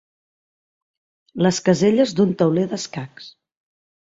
Les caselles d'un tauler d'escacs.